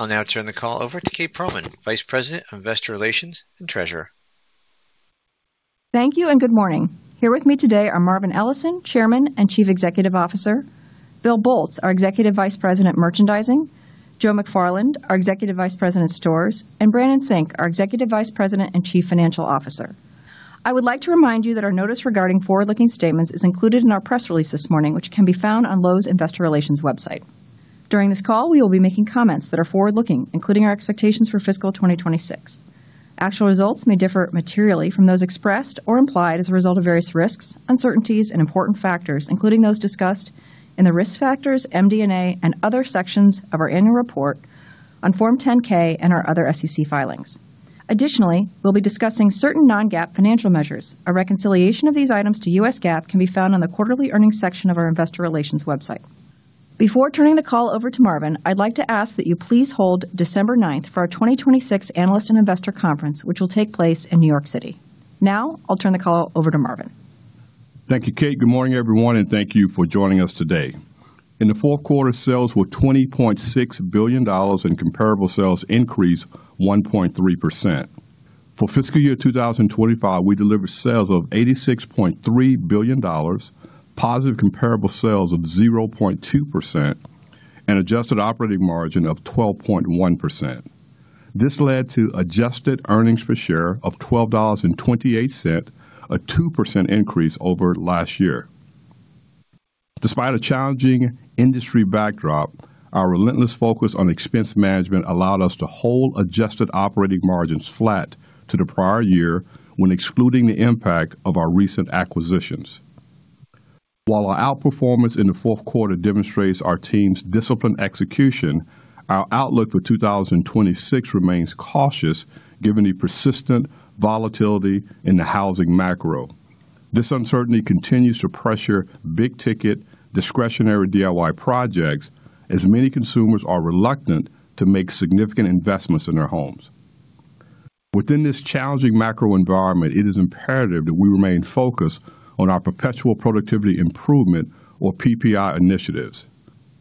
I'll now turn the call over to Kate Pearlman, Vice President of Investor Relations and Treasurer. Thank you. Good morning. Here with me today are Marvin Ellison, Chairman and Chief Executive Officer, Bill Boltz, our Executive Vice President, Merchandising, Joe McFarland, our Executive Vice President, Stores, and Brandon Sink, our Executive Vice President and Chief Financial Officer. I would like to remind you that our notice regarding forward-looking statements is included in our press release this morning, which can be found on Lowe's Investor Relations website. During this call, we will be making comments that are forward-looking, including our expectations for fiscal 2026. Actual results may differ materially from those expressed or implied as a result of various risks, uncertainties, and important factors, including those discussed in the risk factors, MD&A, and other sections of our annual report on Form 10-K and our other SEC filings. Additionally, we'll be discussing certain non-GAAP financial measures. A reconciliation of these items to U.S. GAAP can be found on the quarterly earnings section of our investor relations website. Before turning the call over to Marvin, I'd like to ask that you please hold December 9th for our 2026 Analyst and Investor Conference, which will take place in New York City. I'll turn the call over to Marvin. Thank you, Kate. Good morning, everyone, and thank you for joining us today. In the fourth quarter, sales were $20.6 billion and comparable sales increased 1.3%. For fiscal year 2025, we delivered sales of $86.3 billion, positive comparable sales of 0.2%, and adjusted operating margin of 12.1%. This led to adjusted earnings per share of $12.28, a 2% increase over last year. Despite a challenging industry backdrop, our relentless focus on expense management allowed us to hold adjusted operating margins flat to the prior year when excluding the impact of our recent acquisitions. Our outperformance in the fourth quarter demonstrates our team's disciplined execution, our outlook for 2026 remains cautious, given the persistent volatility in the housing macro. This uncertainty continues to pressure big-ticket, discretionary DIY projects, as many consumers are reluctant to make significant investments in their homes. Within this challenging macro environment, it is imperative that we remain focused on our perpetual productivity improvement or PPI initiatives.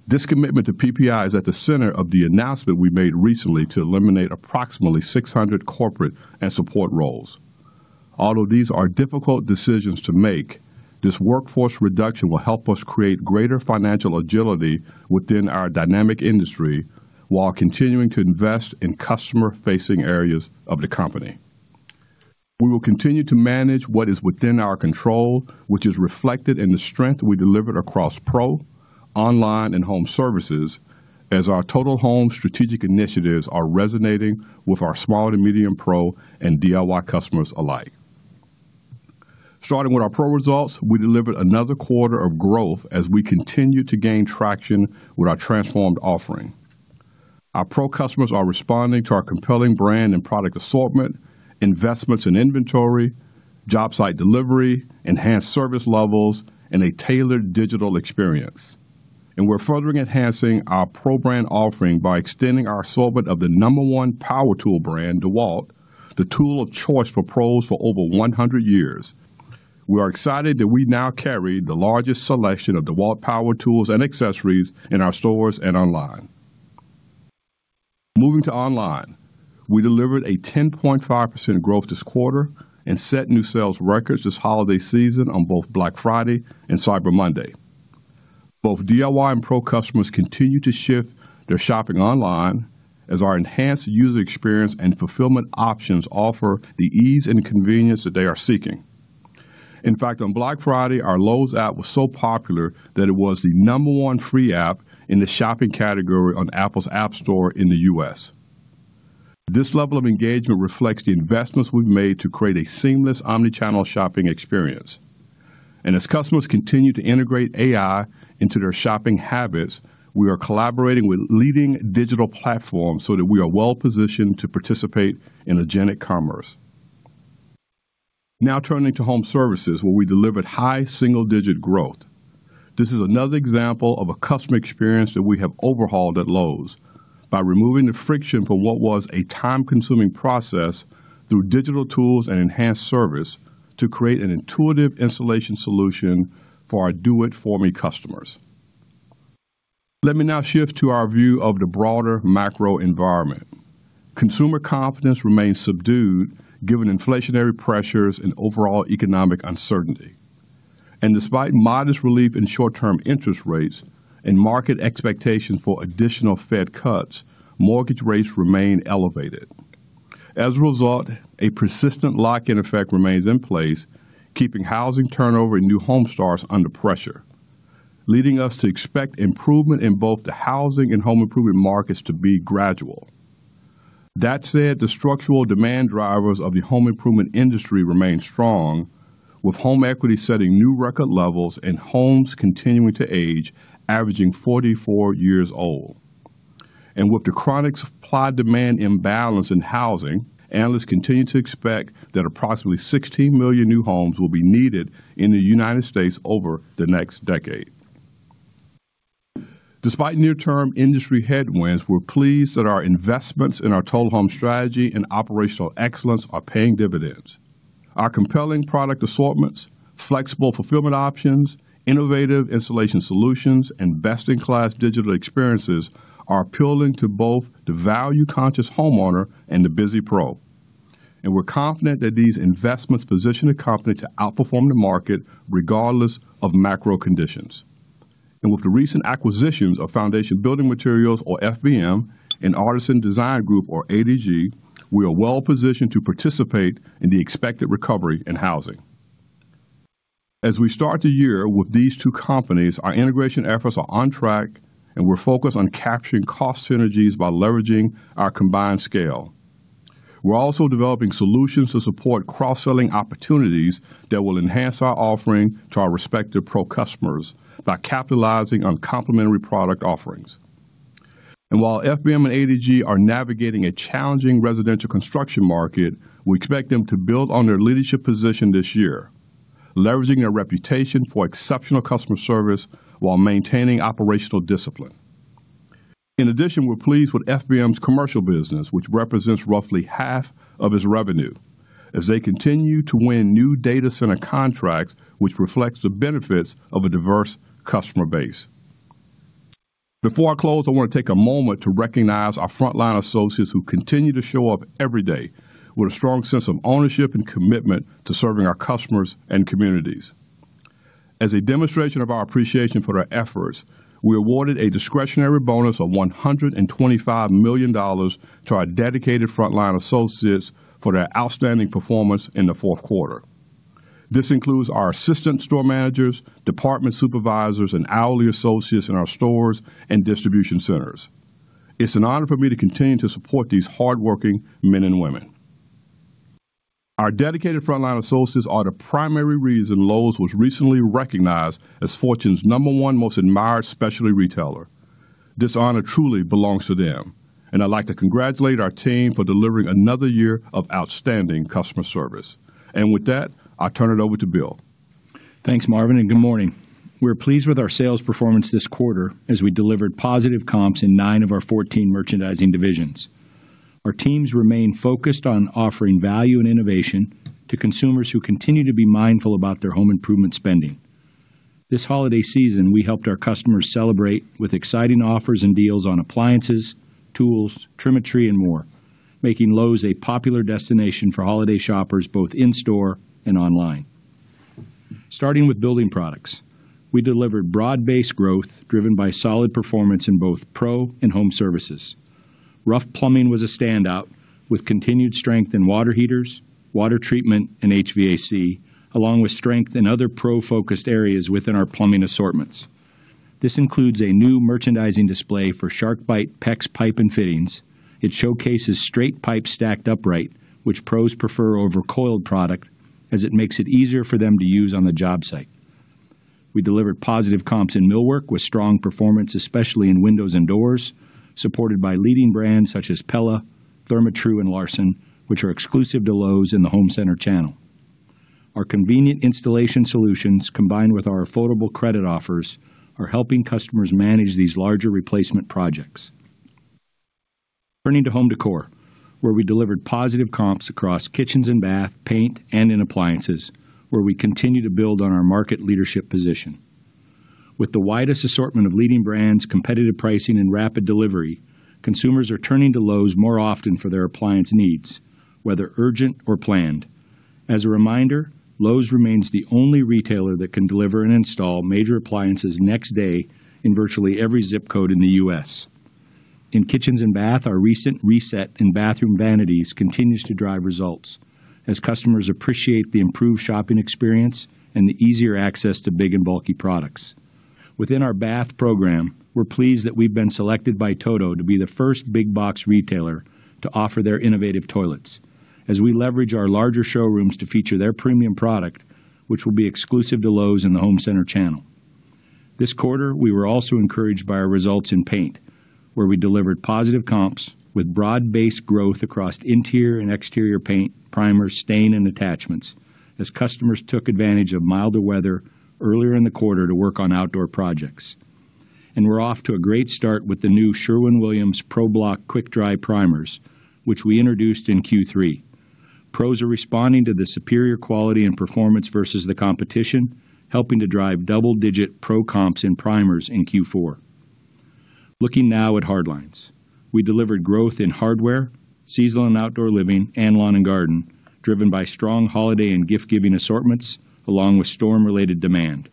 This commitment to PPI is at the center of the announcement we made recently to eliminate approximately 600 corporate and support roles. Although these are difficult decisions to make, this workforce reduction will help us create greater financial agility within our dynamic industry while continuing to invest in customer-facing areas of the company. We will continue to manage what is within our control, which is reflected in the strength we delivered across Pro, Online, and Home Services, as our Total Home strategic initiatives are resonating with our small and medium Pro and DIY customers alike. Starting with our Pro results, we delivered another quarter of growth as we continue to gain traction with our transformed offering. Our Pro customers are responding to our compelling brand and product assortment, investments in inventory, job site delivery, enhanced service levels, and a tailored digital experience. We're further enhancing our Pro brand offering by extending our assortment of the number one power tool brand, DEWALT, the tool of choice for pros for over 100 years. We are excited that we now carry the largest selection of DEWALT power tools and accessories in our stores and online. Moving to online, we delivered a 10.5% growth this quarter and set new sales records this holiday season on both Black Friday and Cyber Monday. Both DIY and Pro customers continue to shift their shopping online as our enhanced user experience and fulfillment options offer the ease and convenience that they are seeking. In fact, on Black Friday, our Lowe's app was so popular that it was the number one free app in the shopping category on Apple's App Store in the U.S. This level of engagement reflects the investments we've made to create a seamless omnichannel shopping experience. As customers continue to integrate AI into their shopping habits, we are collaborating with leading digital platforms so that we are well-positioned to participate in agentic commerce. Now, turning to Home Services, where we delivered high single-digit growth. This is another example of a customer experience that we have overhauled at Lowe's by removing the friction from what was a time-consuming process through digital tools and enhanced service to create an intuitive installation solution for our Do It For Me customers. Let me now shift to our view of the broader macro environment. Consumer confidence remains subdued given inflationary pressures and overall economic uncertainty. Despite modest relief in short-term interest rates and market expectations for additional Fed cuts, mortgage rates remain elevated. As a result, a persistent lock-in effect remains in place, keeping housing turnover and new home starts under pressure, leading us to expect improvement in both the housing and home improvement markets to be gradual. That said, the structural demand drivers of the home improvement industry remain strong, with home equity setting new record levels and homes continuing to age, averaging 44 years old. With the chronic supply-demand imbalance in housing, analysts continue to expect that approximately 16 million new homes will be needed in the United States over the next decade. Despite near-term industry headwinds, we're pleased that our investments in our Total Home strategy and operational excellence are paying dividends. Our compelling product assortments, flexible fulfillment options, innovative installation solutions, and best-in-class digital experiences are appealing to both the value-conscious homeowner and the busy pro. We're confident that these investments position the company to outperform the market, regardless of macro conditions. With the recent acquisitions of Foundation Building Materials, or FBM, and Artisan Design Group, or ADG, we are well-positioned to participate in the expected recovery in housing. As we start the year with these two companies, our integration efforts are on track, and we're focused on capturing cost synergies by leveraging our combined scale. We're also developing solutions to support cross-selling opportunities that will enhance our offering to our respective pro customers by capitalizing on complementary product offerings. While FBM and ADG are navigating a challenging residential construction market, we expect them to build on their leadership position this year, leveraging their reputation for exceptional customer service while maintaining operational discipline. In addition, we're pleased with FBM's commercial business, which represents roughly half of its revenue, as they continue to win new data center contracts, which reflects the benefits of a diverse customer base. Before I close, I want to take a moment to recognize our frontline associates who continue to show up every day with a strong sense of ownership and commitment to serving our customers and communities. As a demonstration of our appreciation for their efforts, we awarded a discretionary bonus of $125 million to our dedicated frontline associates for their outstanding performance in the fourth quarter. This includes our assistant store managers, department supervisors, and hourly associates in our stores and distribution centers. It's an honor for me to continue to support these hardworking men and women. Our dedicated frontline associates are the primary reason Lowe's was recently recognized as Fortune's number one most admired specialty retailer. This honor truly belongs to them. I'd like to congratulate our team for delivering another year of outstanding customer service. With that, I'll turn it over to Bill. Thanks, Marvin. Good morning. We're pleased with our sales performance this quarter as we delivered positive comps in 9 of our 14 merchandising divisions. Our teams remain focused on offering value and innovation to consumers who continue to be mindful about their home improvement spending. This holiday season, we helped our customers celebrate with exciting offers and deals on appliances, tools, Trim-a-Tree, and more, making Lowe's a popular destination for holiday shoppers, both in-store and online. Starting with building products, we delivered broad-based growth, driven by solid performance in both pro and home services. Rough plumbing was a standout, with continued strength in water heaters, water treatment, and HVAC, along with strength in other pro-focused areas within our plumbing assortments. This includes a new merchandising display for SharkBite PEX pipe and fittings. It showcases straight pipes stacked upright, which pros prefer over coiled product, as it makes it easier for them to use on the job site. We delivered positive comps in millwork with strong performance, especially in windows and doors, supported by leading brands such as Pella, Therma-Tru, and LARSON, which are exclusive to Lowe's in the Home Center channel. Our convenient installation solutions, combined with our affordable credit offers, are helping customers manage these larger replacement projects. Turning to home decor, where we delivered positive comps across kitchens and bath, paint, and in appliances, where we continue to build on our market leadership position. With the widest assortment of leading brands, competitive pricing, and rapid delivery, consumers are turning to Lowe's more often for their appliance needs, whether urgent or planned. As a reminder, Lowe's remains the only retailer that can deliver and install major appliances next day in virtually every zip code in the U.S. In kitchens and bath, our recent reset in bathroom vanities continues to drive results as customers appreciate the improved shopping experience and the easier access to big and bulky products. Within our bath program, we're pleased that we've been selected by TOTO to be the first big box retailer to offer their innovative toilets as we leverage our larger showrooms to feature their premium product, which will be exclusive to Lowe's in the Home Center channel. This quarter, we were also encouraged by our results in paint, where we delivered positive comps with broad-based growth across interior and exterior paint, primers, stain, and attachments, as customers took advantage of milder weather earlier in the quarter to work on outdoor projects. We're off to a great start with the new Sherwin-Williams ProBlock Quick Dry Primers, which we introduced in Q3. Pros are responding to the superior quality and performance versus the competition, helping to drive double-digit pro comps in primers in Q4. Looking now at hard lines. We delivered growth in hardware, seasonal and outdoor living, and lawn and garden, driven by strong holiday and gift-giving assortments, along with storm-related demand.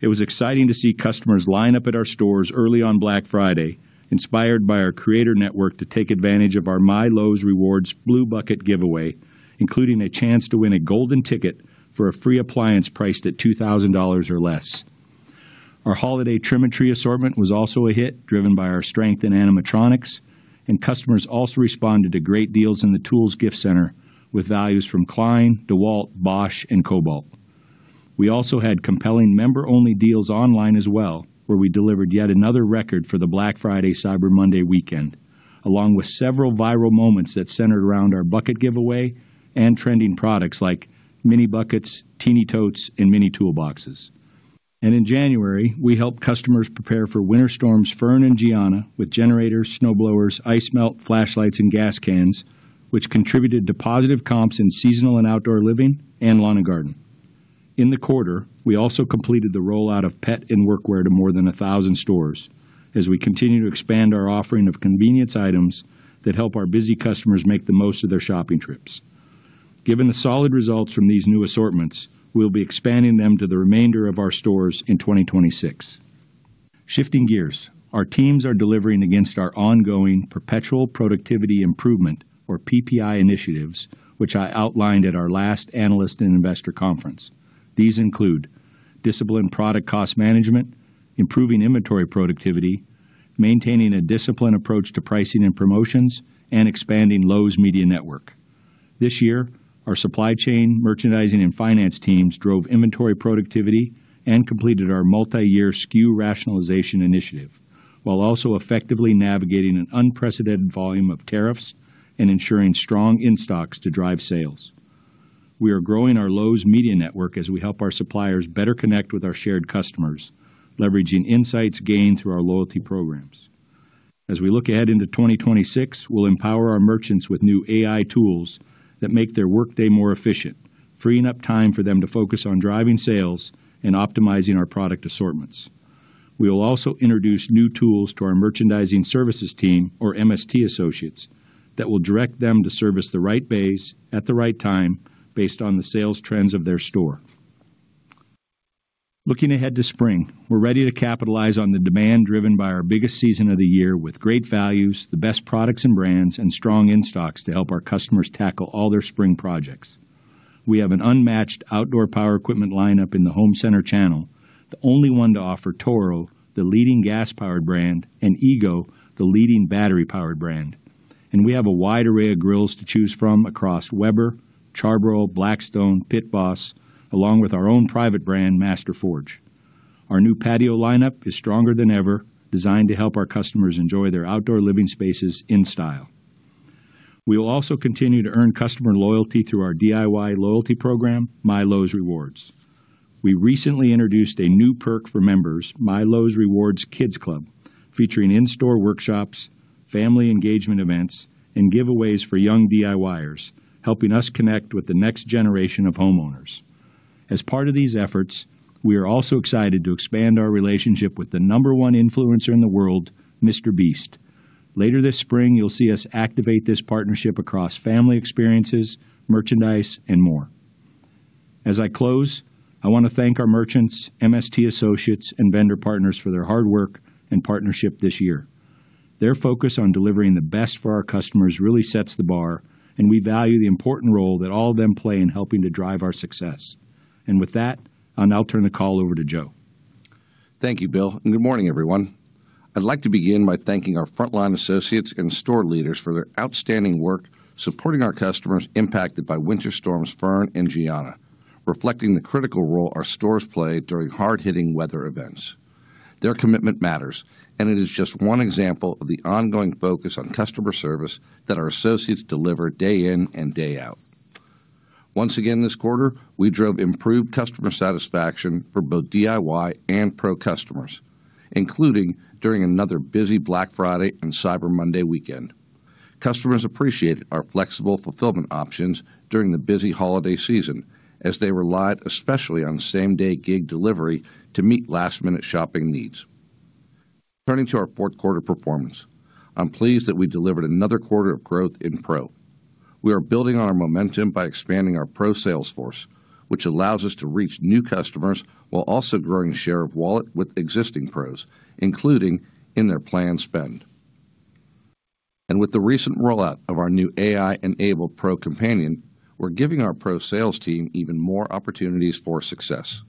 It was exciting to see customers line up at our stores early on Black Friday, inspired by our creator network, to take advantage of our My Lowe's Rewards Blue Bucket giveaway, including a chance to win a golden ticket for a free appliance priced at $2,000 or less. Our holiday Trim-a-Tree assortment was also a hit, driven by our strength in animatronics, and customers also responded to great deals in the Tools Gift Center with values from Klein, DEWALT, Bosch, and Kobalt. We also had compelling member-only deals online as well, where we delivered yet another record for the Black Friday/Cyber Monday weekend, along with several viral moments that centered around our bucket giveaway and trending products like mini buckets, teeny totes, and mini toolboxes. In January, we helped customers prepare for winter storms Fern and Gianna with generators, snowblowers, ice melt, flashlights, and gas cans, which contributed to positive comps in seasonal and outdoor living and lawn and garden. In the quarter, we also completed the rollout of pet and workwear to more than 1,000 stores as we continue to expand our offering of convenience items that help our busy customers make the most of their shopping trips. Given the solid results from these new assortments, we'll be expanding them to the remainder of our stores in 2026. Shifting gears, our teams are delivering against our ongoing perpetual productivity improvement, or PPI initiatives, which I outlined at our last Analyst and Investor Conference. These include disciplined product cost management, improving inventory productivity, maintaining a disciplined approach to pricing and promotions, and expanding Lowe's Media Network. This year, our supply chain, merchandising, and finance teams drove inventory productivity and completed our multiyear SKU rationalization initiative, while also effectively navigating an unprecedented volume of tariffs and ensuring strong in-stocks to drive sales. We are growing our Lowe's Media Network as we help our suppliers better connect with our shared customers, leveraging insights gained through our loyalty programs. As we look ahead into 2026, we'll empower our merchants with new AI tools that make their workday more efficient, freeing up time for them to focus on driving sales and optimizing our product assortments. We will also introduce new tools to our merchandising services team, or MST associates, that will direct them to service the right base at the right time based on the sales trends of their store. Looking ahead to spring, we're ready to capitalize on the demand driven by our biggest season of the year with great values, the best products and brands, and strong in-stocks to help our customers tackle all their spring projects. We have an unmatched outdoor power equipment lineup in the home center channel, the only one to offer Toro, the leading gas-powered brand, and EGO, the leading battery-powered brand. We have a wide array of grills to choose from across Weber, Char-Broil, Blackstone, Pit Boss, along with our own private brand, Master Forge. Our new patio lineup is stronger than ever, designed to help our customers enjoy their outdoor living spaces in style. We will also continue to earn customer loyalty through our DIY loyalty program, My Lowe's Rewards. We recently introduced a new perk for members, My Lowe's Rewards Kids Club, featuring in-store workshops, family engagement events, and giveaways for young DIYers, helping us connect with the next generation of homeowners. As part of these efforts, we are also excited to expand our relationship with the number one influencer in the world, MrBeast. Later this spring, you'll see us activate this partnership across family experiences, merchandise, and more. As I close, I want to thank our merchants, MST associates, and vendor partners for their hard work and partnership this year. Their focus on delivering the best for our customers really sets the bar, and we value the important role that all of them play in helping to drive our success. With that, I'll now turn the call over to Joe. Thank you, Bill. Good morning, everyone. I'd like to begin by thanking our frontline associates and store leaders for their outstanding work, supporting our customers impacted by Winter Storms Fern and Gianna, reflecting the critical role our stores play during hard-hitting weather events. Their commitment matters. It is just one example of the ongoing focus on customer service that our associates deliver day in and day out. Once again, this quarter, we drove improved customer satisfaction for both DIY and pro customers, including during another busy Black Friday and Cyber Monday weekend. Customers appreciated our flexible fulfillment options during the busy holiday season, as they relied especially on same-day gig delivery to meet last-minute shopping needs. Turning to our fourth quarter performance, I'm pleased that we delivered another quarter of growth in pro. We are building on our momentum by expanding our pro sales force, which allows us to reach new customers while also growing share of wallet with existing pros, including in their planned spend. With the recent rollout of our new AI-enabled Pro Companion, we're giving our pro sales team even more opportunities for success.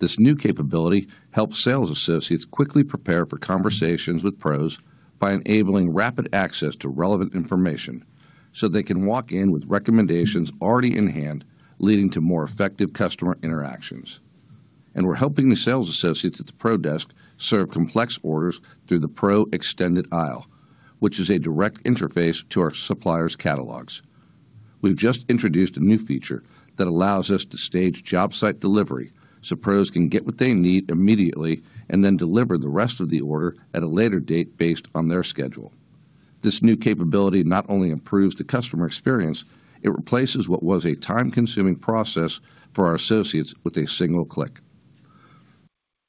This new capability helps sales associates quickly prepare for conversations with pros by enabling rapid access to relevant information so they can walk in with recommendations already in hand, leading to more effective customer interactions. We're helping the sales associates at the pro desk serve complex orders through the Pro Extended Aisle, which is a direct interface to our suppliers' catalogs. We've just introduced a new feature that allows us to stage job site delivery, so pros can get what they need immediately and then deliver the rest of the order at a later date based on their schedule. This new capability not only improves the customer experience, it replaces what was a time-consuming process for our associates with a single click.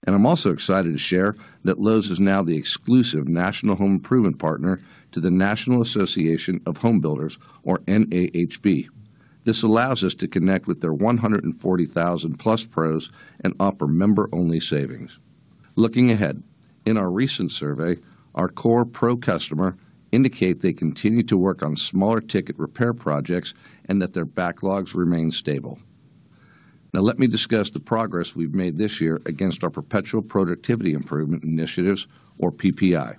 I'm also excited to share that Lowe's is now the exclusive national home improvement partner to the National Association of Home Builders, or NAHB. This allows us to connect with their 140,000+ pros and offer member-only savings. Looking ahead, in our recent survey, our core pro customer indicate they continue to work on smaller-ticket repair projects and that their backlogs remain stable. Now, let me discuss the progress we've made this year against our perpetual productivity improvement initiatives or PPI.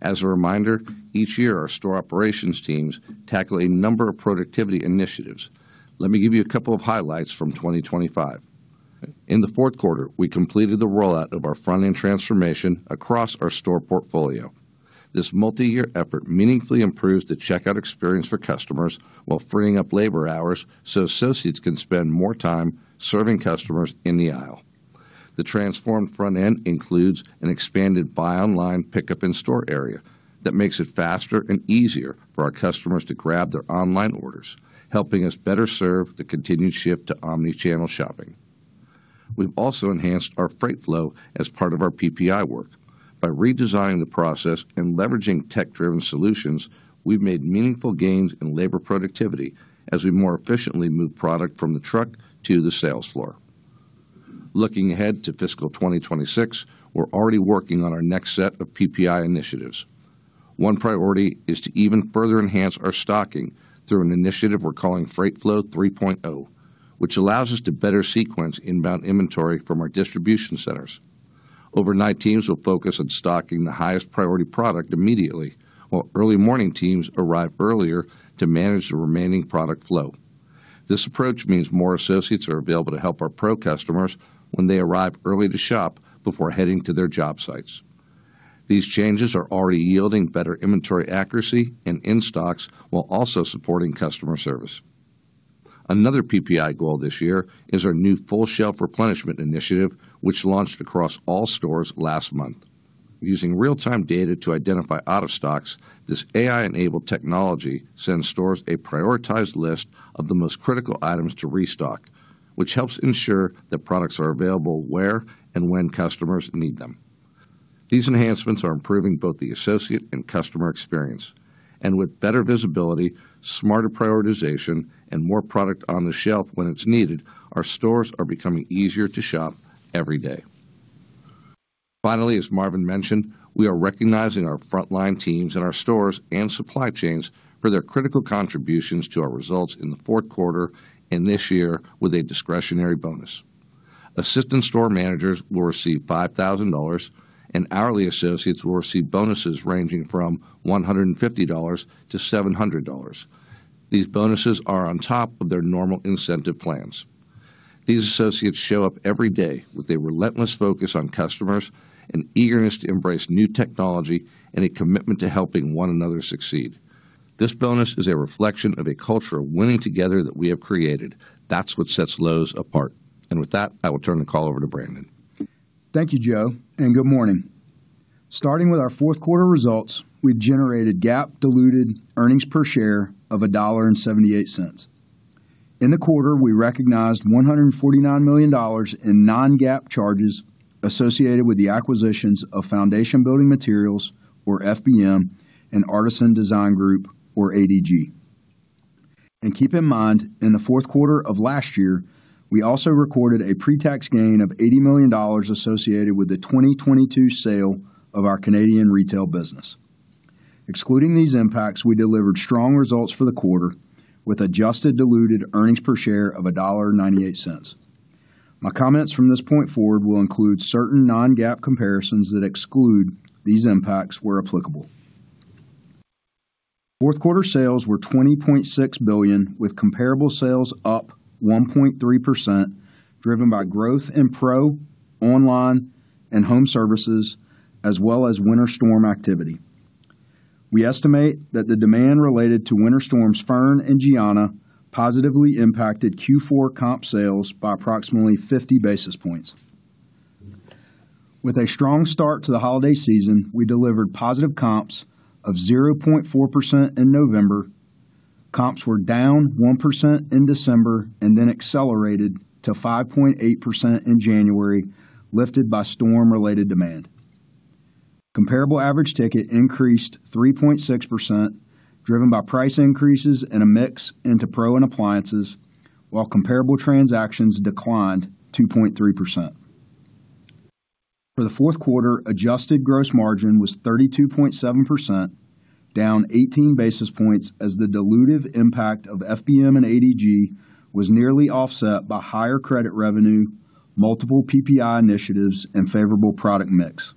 As a reminder, each year, our store operations teams tackle a number of productivity initiatives. Let me give you a couple of highlights from 2025. In the fourth quarter, we completed the rollout of our front-end transformation across our store portfolio. This multiyear effort meaningfully improves the checkout experience for customers while freeing up labor hours, so associates can spend more time serving customers in the aisle. The transformed front end includes an expanded buy online, pickup in store area that makes it faster and easier for our customers to grab their online orders, helping us better serve the continued shift to omni-channel shopping. We've also enhanced our freight flow as part of our PPI work. By redesigning the process and leveraging tech-driven solutions, we've made meaningful gains in labor productivity as we more efficiently move product from the truck to the sales floor. Looking ahead to fiscal 2026, we're already working on our next set of PPI initiatives. One priority is to even further enhance our stocking through an initiative we're calling Freight Flow 3.0, which allows us to better sequence inbound inventory from our distribution centers. Overnight teams will focus on stocking the highest priority product immediately, while early morning teams arrive earlier to manage the remaining product flow. This approach means more associates are available to help our pro customers when they arrive early to shop before heading to their job sites. These changes are already yielding better inventory accuracy and in-stocks, while also supporting customer service. Another PPI goal this year is our new full shelf replenishment initiative, which launched across all stores last month. Using real-time data to identify out-of-stocks, this AI-enabled technology sends stores a prioritized list of the most critical items to restock, which helps ensure that products are available where and when customers need them. These enhancements are improving both the associate and customer experience. With better visibility, smarter prioritization, and more product on the shelf when it's needed, our stores are becoming easier to shop every day. As Marvin mentioned, we are recognizing our frontline teams in our stores and supply chains for their critical contributions to our results in the fourth quarter and this year with a discretionary bonus. Assistant store managers will receive $5,000, and hourly associates will receive bonuses ranging from $150 to $700. These bonuses are on top of their normal incentive plans. These associates show up every day with a relentless focus on customers and eagerness to embrace new technology and a commitment to helping one another succeed. This bonus is a reflection of a culture of winning together that we have created. That's what sets Lowe's apart. With that, I will turn the call over to Brandon. Thank you, Joe. Good morning. Starting with our fourth quarter results, we generated GAAP diluted earnings per share of $1.78. In the quarter, we recognized $149 million in non-GAAP charges associated with the acquisitions of Foundation Building Materials, or FBM, and Artisan Design Group, or ADG. Keep in mind, in the fourth quarter of last year, we also recorded a pre-tax gain of $80 million associated with the 2022 sale of our Canadian retail business. Excluding these impacts, we delivered strong results for the quarter with adjusted diluted earnings per share of $1.98. My comments from this point forward will include certain non-GAAP comparisons that exclude these impacts, where applicable. Fourth quarter sales were $20.6 billion, with comparable sales up 1.3%, driven by growth in pro, online, and home services, as well as winter storm activity. We estimate that the demand related to Winter Storms Fern and Gianna positively impacted Q4 comp sales by approximately 50 basis points. With a strong start to the holiday season, we delivered positive comps of 0.4% in November. Comps were down 1% in December, then accelerated to 5.8% in January, lifted by storm-related demand. Comparable average ticket increased 3.6%, driven by price increases and a mix into pro and appliances, while comparable transactions declined 2.3%. For the fourth quarter, adjusted gross margin was 32.7%, down 18 basis points as the dilutive impact of FBM and ADG was nearly offset by higher credit revenue, multiple PPI initiatives, and favorable product mix.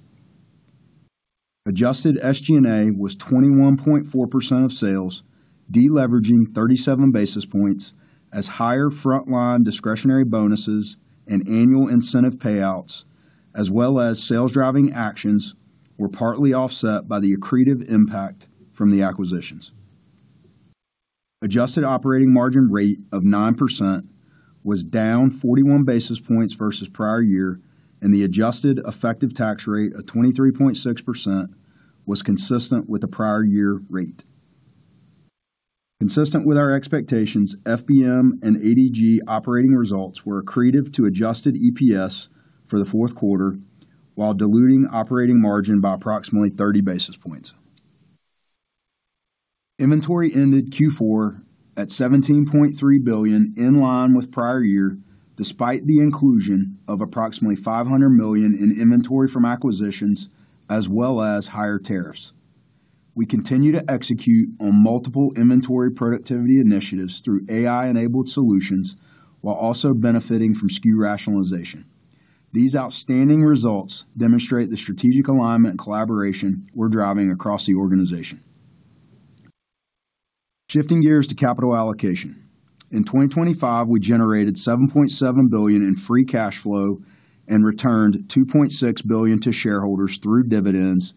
Adjusted SG&A was 21.4% of sales, deleveraging 37 basis points as higher frontline discretionary bonuses and annual incentive payouts, as well as sales-driving actions, were partly offset by the accretive impact from the acquisitions. Adjusted operating margin rate of 9% was down 41 basis points versus prior year, and the adjusted effective tax rate of 23.6% was consistent with the prior year rate. Consistent with our expectations, FBM and ADG operating results were accretive to adjusted EPS for the fourth quarter, while diluting operating margin by approximately 30 basis points. Inventory ended Q4 at $17.3 billion, in line with prior year, despite the inclusion of approximately $500 million in inventory from acquisitions as well as higher tariffs. We continue to execute on multiple inventory productivity initiatives through AI-enabled solutions while also benefiting from SKU rationalization. These outstanding results demonstrate the strategic alignment and collaboration we're driving across the organization. Shifting gears to capital allocation. In 2025, we generated $7.7 billion in free cash flow and returned $2.6 billion to shareholders through dividends,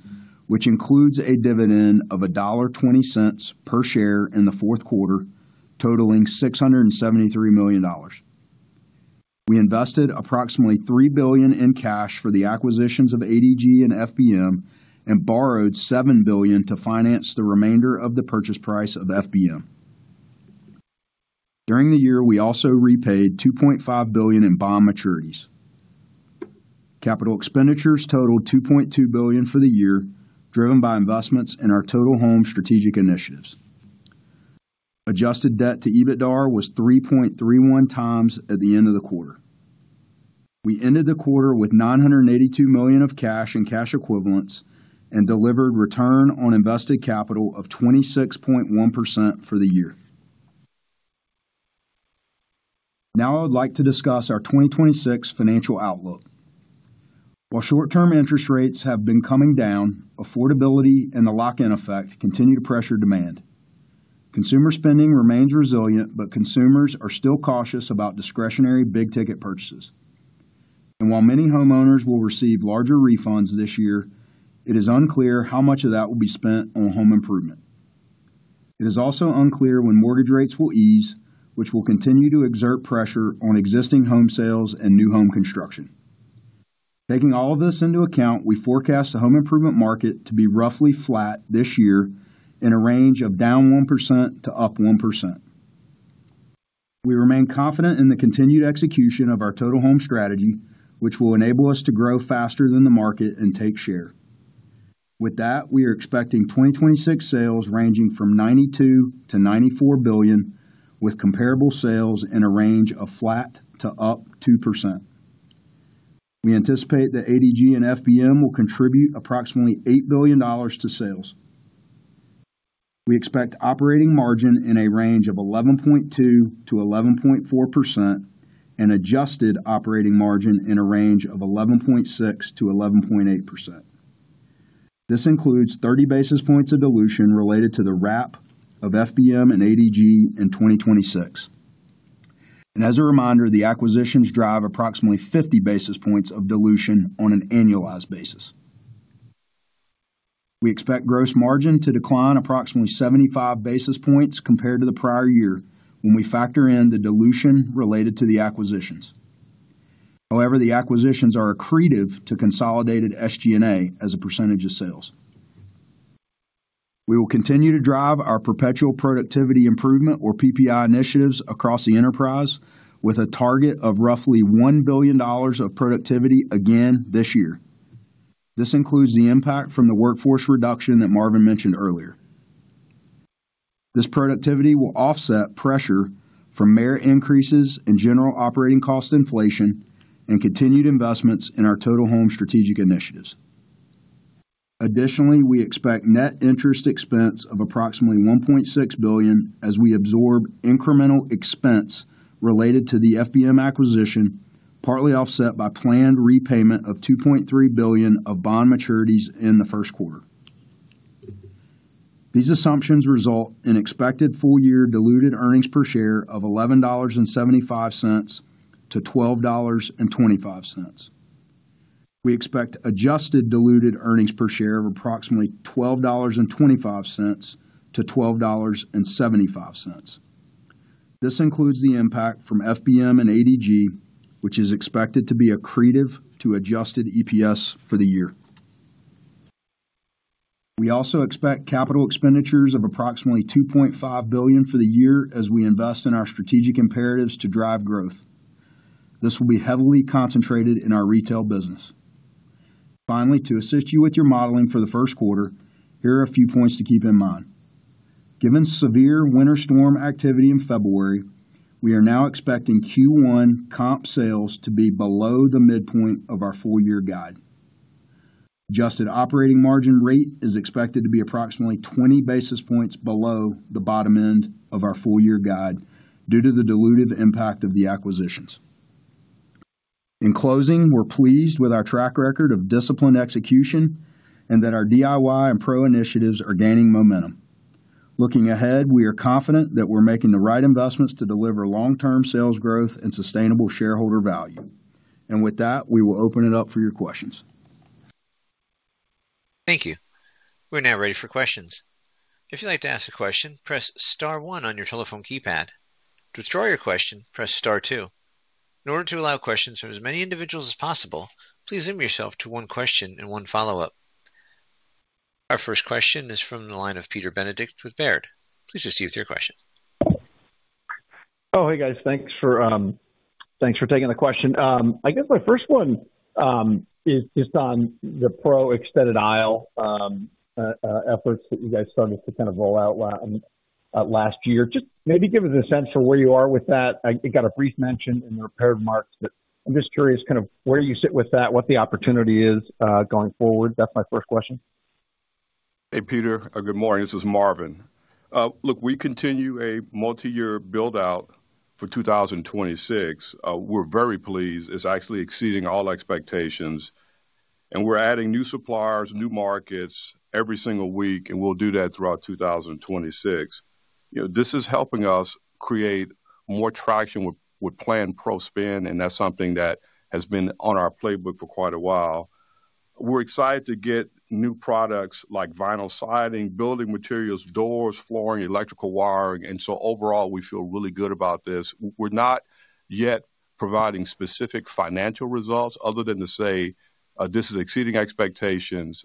which includes a dividend of $1.20 per share in the fourth quarter, totaling $673 million. We invested approximately $3 billion in cash for the acquisitions of ADG and FBM, and borrowed $7 billion to finance the remainder of the purchase price of FBM. During the year, we also repaid $2.5 billion in bond maturities. Capital expenditures totaled $2.2 billion for the year, driven by investments in our Total Home strategic initiatives. Adjusted debt to EBITDA was 3.31x at the end of the quarter. We ended the quarter with $982 million of cash and cash equivalents and delivered return on invested capital of 26.1% for the year. I would like to discuss our 2026 financial outlook. While short-term interest rates have been coming down, affordability and the lock-in effect continue to pressure demand. Consumers are still cautious about discretionary big-ticket purchases. While many homeowners will receive larger refunds this year, it is unclear how much of that will be spent on home improvement. It is also unclear when mortgage rates will ease, which will continue to exert pressure on existing home sales and new home construction. Taking all of this into account, we forecast the home improvement market to be roughly flat this year in a range of down 1% to up 1%. We remain confident in the continued execution of our Total Home strategy, which will enable us to grow faster than the market and take share. With that, we are expecting 2026 sales ranging from $92 billion-$94 billion, with comparable sales in a range of flat to up 2%. We anticipate that ADG and FBM will contribute approximately $8 billion to sales. We expect operating margin in a range of 11.2%-11.4% and adjusted operating margin in a range of 11.6%-11.8%. This includes 30 basis points of dilution related to the wrap of FBM and ADG in 2026. As a reminder, the acquisitions drive approximately 50 basis points of dilution on an annualized basis. We expect gross margin to decline approximately 75 basis points compared to the prior year when we factor in the dilution related to the acquisitions. However, the acquisitions are accretive to consolidated SG&A as a percentage of sales. We will continue to drive our perpetual productivity improvement, or PPI initiatives, across the enterprise with a target of roughly $1 billion of productivity again this year. This includes the impact from the workforce reduction that Marvin mentioned earlier. This productivity will offset pressure from merit increases and general operating cost inflation and continued investments in our Total Home strategic initiatives. Additionally, we expect net interest expense of approximately $1.6 billion as we absorb incremental expense related to the FBM acquisition, partly offset by planned repayment of $2.3 billion of bond maturities in the first quarter. These assumptions result in expected full-year diluted earnings per share of $11.75-$12.25. We expect adjusted diluted earnings per share of approximately $12.25-$12.75. This includes the impact from FBM and ADG, which is expected to be accretive to adjusted EPS for the year. We also expect capital expenditures of approximately $2.5 billion for the year as we invest in our strategic imperatives to drive growth. This will be heavily concentrated in our retail business. Finally, to assist you with your modeling for the first quarter, here are a few points to keep in mind. Given severe winter storm activity in February, we are now expecting Q1 comp sales to be below the midpoint of our full-year guide. Adjusted operating margin rate is expected to be approximately 20 basis points below the bottom end of our full-year guide due to the dilutive impact of the acquisitions. In closing, we're pleased with our track record of disciplined execution and that our DIY and Pro initiatives are gaining momentum. Looking ahead, we are confident that we're making the right investments to deliver long-term sales growth and sustainable shareholder value. With that, we will open it up for your questions. Thank you. We're now ready for questions. If you'd like to ask a question, press star one on your telephone keypad. To withdraw your question, press star two. In order to allow questions from as many individuals as possible, please limit yourself to one question and one follow-up. Our first question is from the line of Peter Benedict with Baird. Please proceed with your question. Oh, hey, guys. Thanks for... Thanks for taking the question. I guess my first one is just on the Pro Extended Aisle efforts that you guys started to kind of roll out last year. Just maybe give us a sense for where you are with that. It got a brief mention in the prepared marks, but I'm just curious kind of where you sit with that, what the opportunity is going forward. That's my first question. Hey, Peter. Good morning. This is Marvin. look, we continue a multiyear build-out for 2026. we're very pleased. It's actually exceeding all expectations. We're adding new suppliers, new markets every single week, and we'll do that throughout 2026. You know, this is helping us create more traction with planned Pro spend. That's something that has been on our playbook for quite a while. We're excited to get new products like vinyl siding, building materials, doors, flooring, electrical wiring. Overall, we feel really good about this. We're not yet providing specific financial results other than to say, this is exceeding expectations,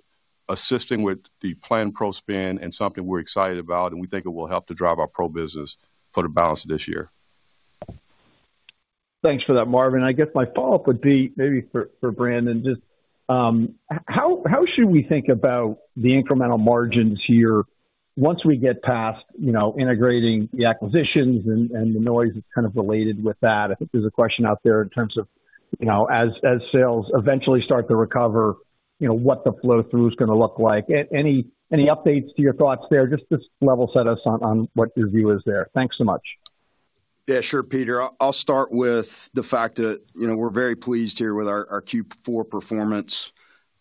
assisting with the planned Pro spin, and something we're excited about, and we think it will help to drive our Pro business for the balance of this year. Thanks for that, Marvin. I guess my follow-up would be maybe for Brandon, just how should we think about the incremental margins here once we get past, you know, integrating the acquisitions and the noise that's kind of related with that? I think there's a question out there in terms of, you know, as sales eventually start to recover, you know, what the flow through is gonna look like. Any updates to your thoughts there? Just level set us on what your view is there. Thanks so much. Sure, Peter. I'll start with the fact that, you know, we're very pleased here with our Q4 performance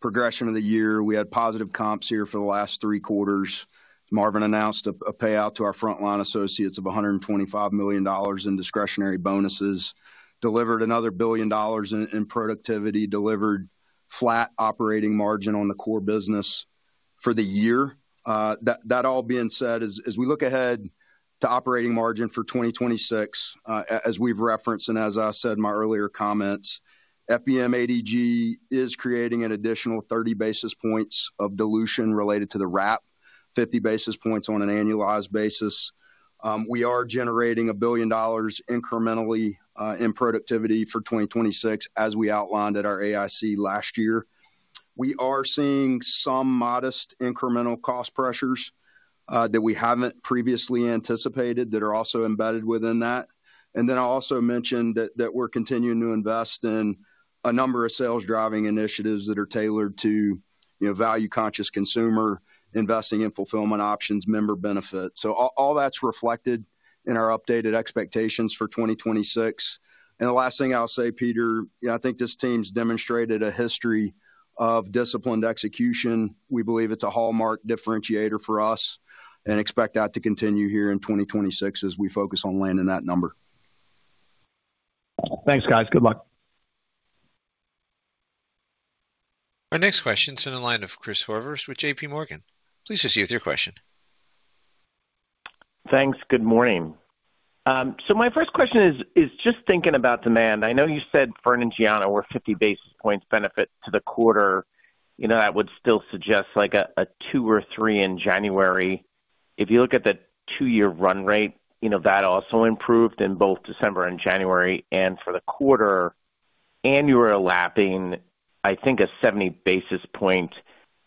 progression of the year. We had positive comps here for the last three quarters. Marvin announced a payout to our frontline associates of $125 million in discretionary bonuses, delivered another $1 billion in productivity, delivered flat operating margin on the core business for the year. That all being said, as we look ahead to operating margin for 2026, as we've referenced, and as I said in my earlier comments, FBM and ADG is creating an additional 30 basis points of dilution related to the RAP, 50 basis points on an annualized basis. We are generating $1 billion incrementally in productivity for 2026, as we outlined at our AIC last year. We are seeing some modest incremental cost pressures that we haven't previously anticipated that are also embedded within that. I also mentioned that we're continuing to invest in a number of sales-driving initiatives that are tailored to, you know, value-conscious consumer, investing in fulfillment options, member benefit. All that's reflected in our updated expectations for 2026. The last thing I'll say, Peter, you know, I think this team's demonstrated a history of disciplined execution. We believe it's a hallmark differentiator for us and expect that to continue here in 2026 as we focus on landing that number. Thanks, guys. Good luck. Our next question is in the line of Christopher Horvers with JPMorgan. Please proceed with your question. Thanks. Good morning. My first question is just thinking about demand. I know you said Fern and Gianna were 50 basis points benefit to the quarter. You know, that would still suggest like a two or three in January. If you look at the two-year run rate, you know, that also improved in both December and January. For the quarter, and you were lapping, I think, a 70 basis point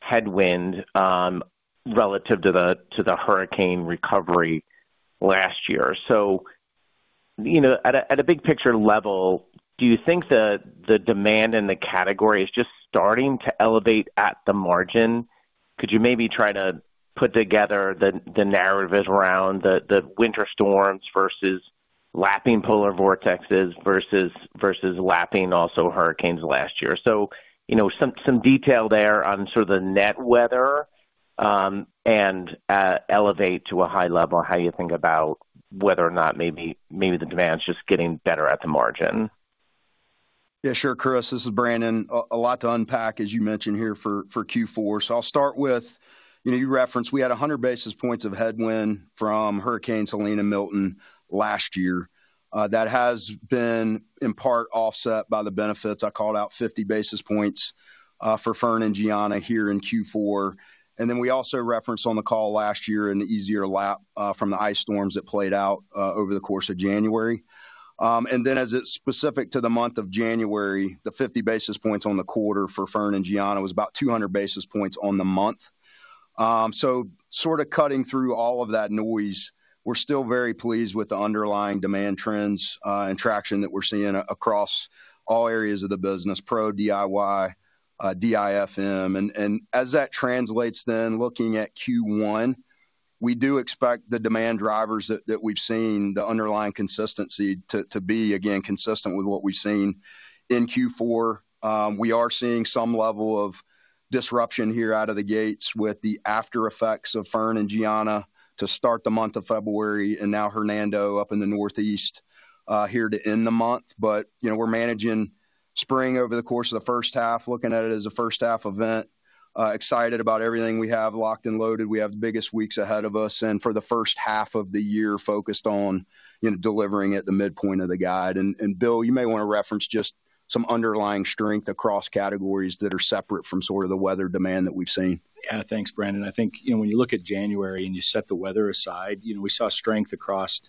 headwind relative to the hurricane recovery last year. You know, at a big picture level, do you think the demand in the category is just starting to elevate at the margin? Could you maybe try to put together the narrative around the winter storms versus lapping polar vortexes versus lapping also hurricanes last year? You know, some detail there on sort of the net weather, and elevate to a high level, how you think about whether or not maybe the demand's just getting better at the margin? Yeah, sure, Chris, this is Brandon. A lot to unpack, as you mentioned here for Q4. I'll start with... You know, you referenced we had 100 basis points of headwind from Hurricane Helene and Milton last year. That has been in part offset by the benefits. I called out 50 basis points for Fern and Gianna here in Q4. We also referenced on the call last year an easier lap from the ice storms that played out over the course of January. As it's specific to the month of January, the 50 basis points on the quarter for Fern and Gianna was about 200 basis points on the month. Sorta cutting through all of that noise, we're still very pleased with the underlying demand trends, and traction that we're seeing across all areas of the business, Pro, DIY, DIFM. As that translates, looking at Q1, we do expect the demand drivers that we've seen, the underlying consistency, to be again consistent with what we've seen in Q4. We are seeing some level of disruption here out of the gates with the aftereffects of Fern and Gianna to start the month of February and now Hernando up in the northeast, here to end the month. You know, we're managing spring over the course of the first half, looking at it as a first-half event. Excited about everything we have locked and loaded. We have the biggest weeks ahead of us, and for the first half of the year, focused on, you know, delivering at the midpoint of the guide. Bill, you may wanna reference just some underlying strength across categories that are separate from sort of the weather demand that we've seen. Yeah. Thanks, Brandon. I think, you know, when you look at January and you set the weather aside, you know, we saw strength across,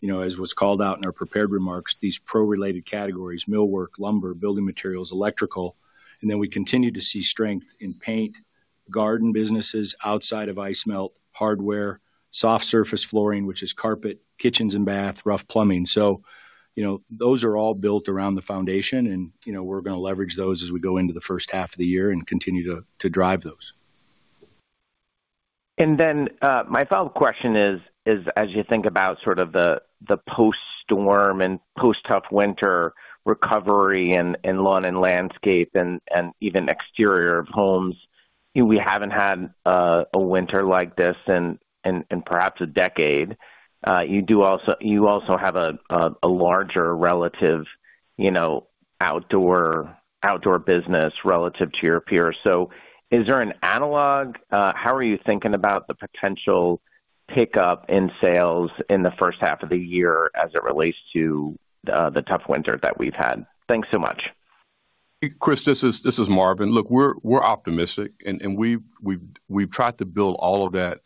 you know, as was called out in our prepared remarks, these pro-related categories, millwork, lumber, building materials, electrical. Then we continued to see strength in paint, garden businesses outside of ice melt, hardware, soft surface flooring, which is carpet, kitchens and bath, rough plumbing. You know, those are all built around the foundation, and, you know, we're gonna leverage those as we go into the first half of the year and continue to drive those. My follow-up question is as you think about sort of the post-storm and post-tough winter recovery and lawn and landscape and even exterior of homes, we haven't had a winter like this in perhaps a decade. You also have a larger relative, you know, outdoor business relative to your peers. Is there an analog? How are you thinking about the potential pickup in sales in the first half of the year as it relates to the tough winter that we've had? Thanks so much. Chris, this is Marvin. Look, we're optimistic, and we've tried to build all of that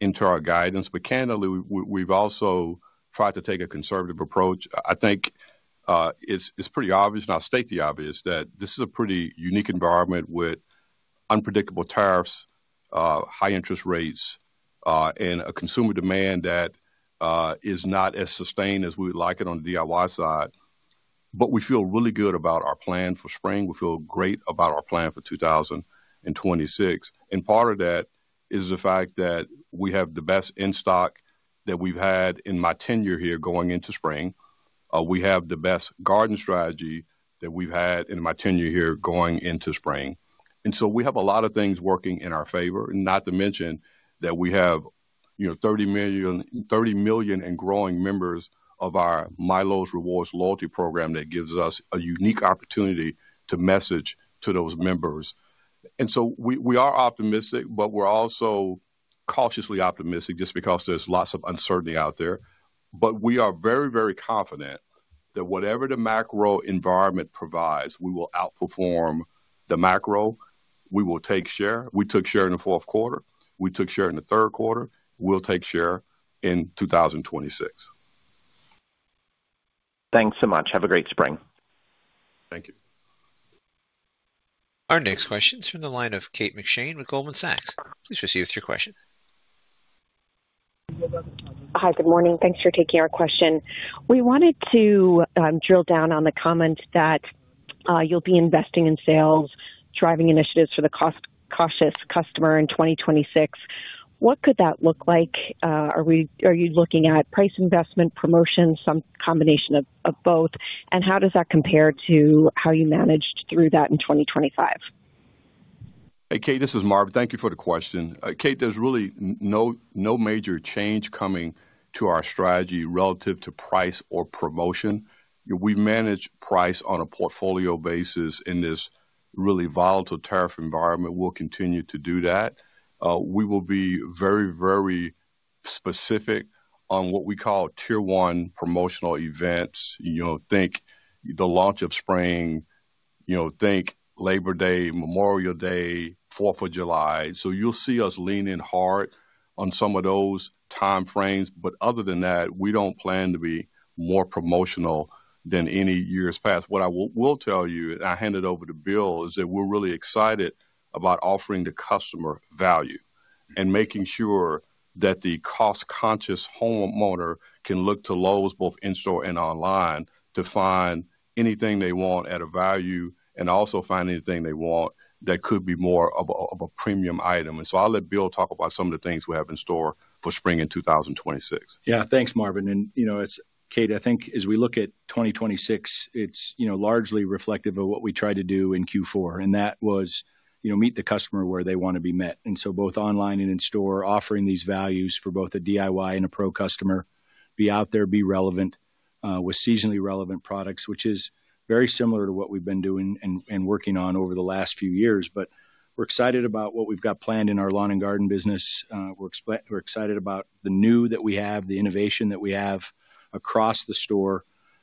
into our guidance. Candidly, we've also tried to take a conservative approach. I think, it's pretty obvious, and I'll state the obvious, that this is a pretty unique environment with unpredictable tariffs, high interest rates, and a consumer demand that is not as sustained as we would like it on the DIY side. We feel really good about our plan for spring. We feel great about our plan for 2026, and part of that is the fact that we have the best in-stock that we've had in my tenure here going into spring. We have the best garden strategy that we've had in my tenure here going into spring. We have a lot of things working in our favor, not to mention that we have, you know, 30 million and growing members of our MyLowe's Rewards loyalty program that gives us a unique opportunity to message to those members. We are optimistic, but we're also cautiously optimistic just because there's lots of uncertainty out there. But we are very confident that whatever the macro environment provides, we will outperform the macro. We will take share. We took share in the fourth quarter. We took share in the third quarter. We'll take share in 2026. Thanks so much. Have a great spring. Thank you. Our next question is from the line of Kate McShane with Goldman Sachs. Please proceed with your question. Hi, good morning. Thanks for taking our question. We wanted to drill down on the comment that you'll be investing in sales, driving initiatives for the cost-cautious customer in 2026. What could that look like? Are you looking at price investment, promotion, some combination of both? How does that compare to how you managed through that in 2025? Hey, Kate, this is Marvin. Thank you for the question. Kate, there's really no major change coming to our strategy relative to price or promotion. We manage price on a portfolio basis in this really volatile tariff environment. We'll continue to do that. We will be very specific on what we call Tier 1 promotional events. You know, think the launch of spring, you know, think Labor Day, Memorial Day, Fourth of July. You'll see us leaning hard on some of those time frames, but other than that, we don't plan to be more promotional than any years past. What I will tell you, and I hand it over to Bill, is that we're really excited about offering the customer value and making sure that the cost-conscious homeowner can look to Lowe's, both in-store and online, to find anything they want at a value and also find anything they want that could be more of a premium item. I'll let Bill talk about some of the things we have in store for spring in 2026. Yeah, thanks, Marvin. You know, Kate, I think as we look at 2026, it's, you know, largely reflective of what we tried to do in Q4. That was, you know, meet the customer where they want to be met. Both online and in-store, offering these values for both a DIY and a pro customer, be out there, be relevant, with seasonally relevant products, which is very similar to what we've been doing and working on over the last few years. We're excited about what we've got planned in our lawn and garden business. We're excited about the new that we have, the innovation that we have across the store.